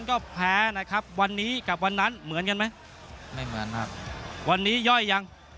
ก็แผนที่มีด้วย